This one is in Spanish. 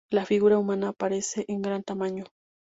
La figura humana aparece en gran tamaño.